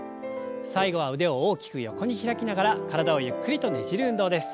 最後は腕を大きく横に開きながら体をゆっくりとねじる運動です。